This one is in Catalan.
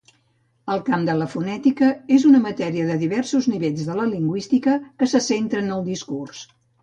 El camp de la fonètica és una matèria de diversos nivells de la lingüística que se centra en el discurs.